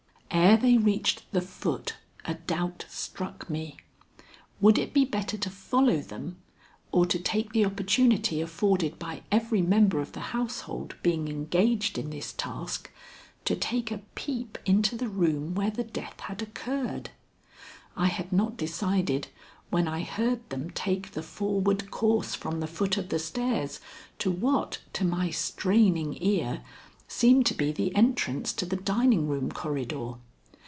Ere they reached the foot, a doubt struck me. Would it be better to follow them or to take the opportunity afforded by every member of the household being engaged in this task, to take a peep into the room where the death had occurred? I had not decided, when I heard them take the forward course from the foot of the stairs to what, to my straining ear, seemed to be the entrance to the dining room corridor.